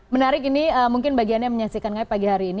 menarik ini mungkin bagiannya menyaksikan kami pagi hari ini